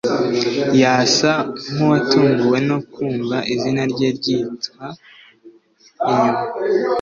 Yasa nkuwatunguwe no kumva izina rye ryitwa inyuma